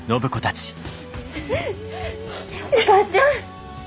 お母ちゃん！